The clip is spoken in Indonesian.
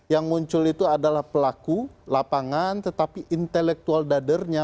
yang muncul itu adalah pelaku lapangan tetapi intelektual dadernya